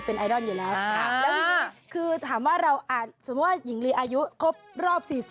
ชอบมากกว่าอิงไง